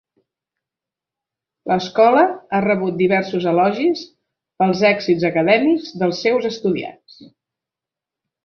L"escola ha rebut diversos elogis pels èxits acadèmics dels seus estudiants.